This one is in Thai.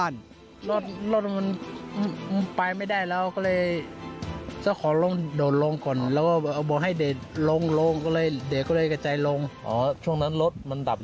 แล้วคุณลุงคนขับเนี๊ยครับ